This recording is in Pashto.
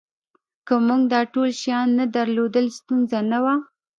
که موږ دا ټول شیان نه درلودل ستونزه نه وه